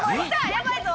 やばいぞ・